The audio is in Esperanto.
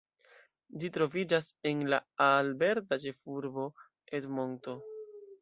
Ĝi troviĝas en la alberta ĉefurbo Edmontono.